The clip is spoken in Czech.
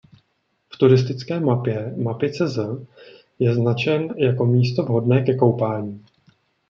V turistické mapě mapy.cz je značen jako místo vhodné ke koupání.